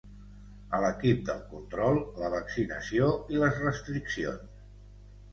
A l’equip del control, la vaccinació i les restriccions.